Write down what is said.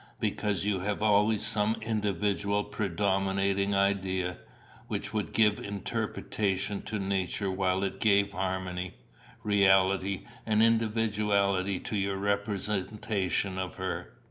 "Because you have always some individual predominating idea, which would give interpretation to Nature while it gave harmony, reality, and individuality to your representation of her."